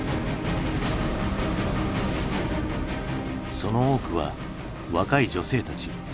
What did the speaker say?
その多くは若い女性たち。